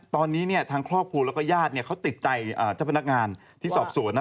ตอนนี้เนี่ยทั้งครอบครูแล้วก็ญาติเนี่ยเขาติดใจเจ้าพนักงานที่สอบส่วนนะ